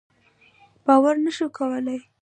باور نه شو کولای.